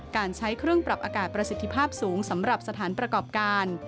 การใช้เครื่องปรับอากาศประสิทธิภาพสูงสำหรับสถานประกอบการ